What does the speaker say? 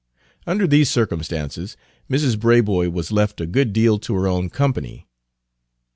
Under these circumstances, Mrs. Braboy was left a good deal to her own company.